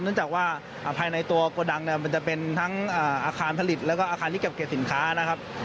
เนื่องจากว่าภายในตัวโกดังเนี่ยมันจะเป็นทั้งอาคารผลิตแล้วก็อาคารที่เก็บเกี่ยวสินค้านะครับ